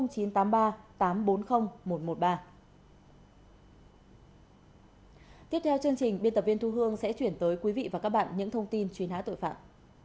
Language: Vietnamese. tiếp theo chương trình biên tập viên thu hương sẽ chuyển tới quý vị và các bạn những thông tin truy nã tội phạm